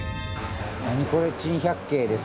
『ナニコレ珍百景』です。